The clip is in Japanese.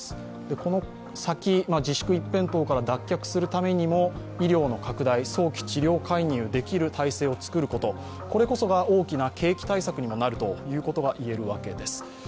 この先、自粛一辺倒から脱却するためにも医療の拡大、早期治療介入できる体制を作ること、これこそが大きな景気対策にもなると言えるわけです。